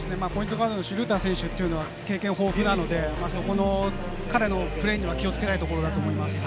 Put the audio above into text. ガードのシュルーダー選手は経験豊富なので、彼のプレーには気をつけたいところだと思います。